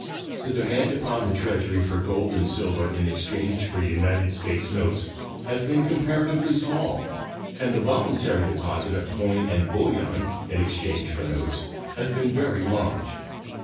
The demand upon the Treasury for gold and silver in exchange for United States notes has been comparatively small, and the voluntary deposit of coin and bullion in exchange for notes has been very large.